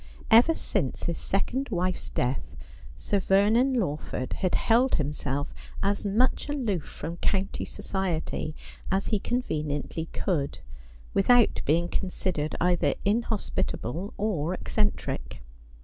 Ever since his second wife's death Sir Yernon Lawf ord had held himself as much aloof from county society as he conveniently could, without being considered either inhospitable or eccentric.